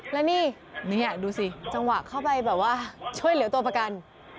แล้วนี่นี่ดูสิจังหวะเข้าไปแบบว่าช่วยเหลือตัวประกัน